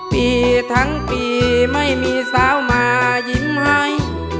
ปีทั้งปีไม่มีสาวมายิ้มให้